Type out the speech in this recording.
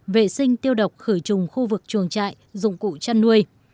vệ sinh tiêu độc khử trùng khu vực chuồng trại dụng cụ chăn nuôi